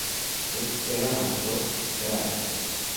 Esperanto-Strato.